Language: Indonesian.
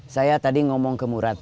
saya tadi ngomong ke murad